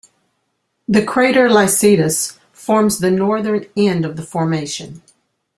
The crater Licetus forms the northern end of the formation.